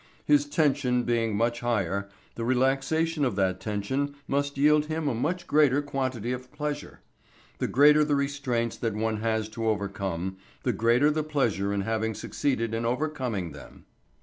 His tension being much higher, the relaxation of that tension must yield him a much greater quantity of pleasure. The greater the restraints that one has to overcome the greater the pleasure in having succeeded in overcoming them.